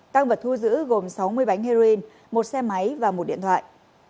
tăng vật thu giữ gồm sáu mươi bánh heroin một xe máy và một điện thoại